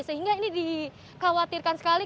sehingga ini dikhawatirkan sekali